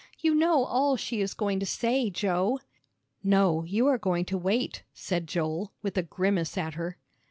You know all she is going to say, Joe." "No, you are going to wait," said Joel, with a grimace at her.